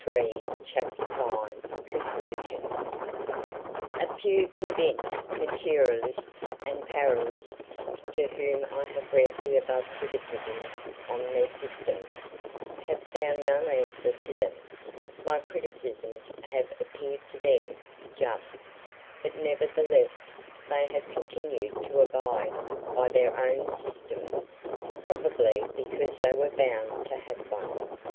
31] CHAPTER V CONCLUSION A few convinced materialists and parallelists, to whom I have read the above criticisms on their systems, have found no answer to them; my criticisms have appeared to them just, but nevertheless they have continued to abide by their own systems, probably because they were bound to have one.